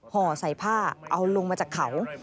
ห่อใส่ผ้าเอาลงมาจากเขา